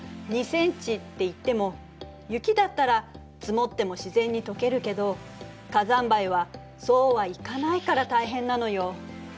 ２ｃｍっていっても雪だったら積もっても自然にとけるけど火山灰はそうはいかないから大変なのよ。